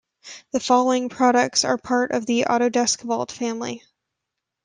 The following products are part of the Autodesk Vault Family.